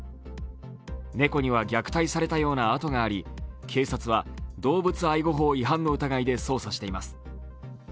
猫には虐待されたような痕があり、警察は動物愛護法違反の疑いで捜査しています。